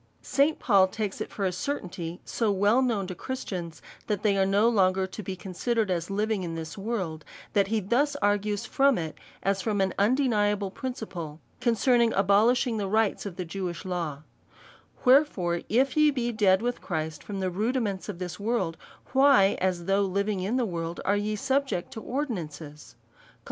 St. Paul takes it for a certainty so well known to Christians, that they are no long*er to be considered as living in this world, that he thus argues from it, as from an undeniable principle, concerning the abohsh ing the rites of the Jewish law : Wherefore if ye be dead loitli Christ from the rudiments of the world, tchj/, as though living in the world, are ye subject to ordinances / Col.